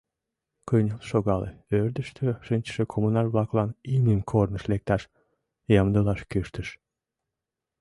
Кынел шогале, ӧрдыжтӧ шинчыше коммунар-влаклан имньым корныш лекташ ямдылаш кӱштыш.